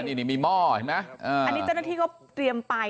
อ่านี่นี่มีหม้อเห็นไหมอ่าอันนี้เจ้าหน้าที่เขาเตรียมไป